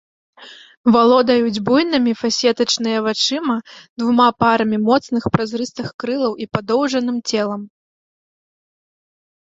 Валодаюць буйнымі фасетачныя вачыма, двума парамі моцных празрыстых крылаў і падоўжаным целам.